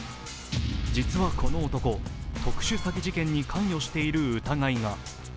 実はこの男、特殊詐欺事件に関与している疑いが。